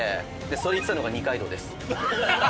それ言ってたのが二階堂です。